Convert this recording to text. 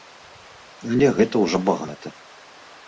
Але гэта ўжо багата.